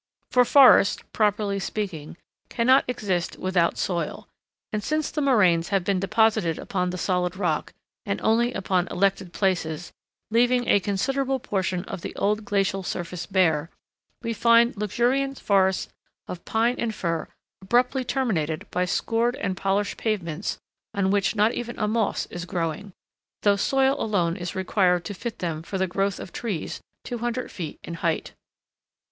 For forests, properly speaking, cannot exist without soil; and, since the moraines have been deposited upon the solid rock, and only upon elected places, leaving a considerable portion of the old glacial surface bare, we find luxuriant forests of pine and fir abruptly terminated by scored and polished pavements on which not even a moss is growing, though soil alone is required to fit them for the growth of trees 200 feet in height.